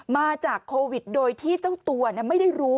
มาจากโควิดโดยที่เจ้าตัวไม่ได้รู้